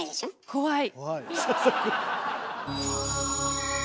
怖い。